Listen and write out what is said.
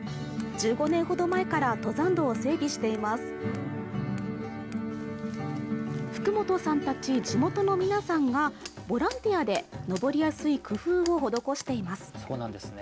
１５年ほど前から登山道を整備しています福本さんたち地元の皆さんがボランティアで登りやすい工夫を施していますそうなんですね